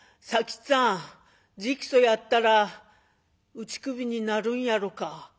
っつぁん直訴やったら打ち首になるんやろか？」。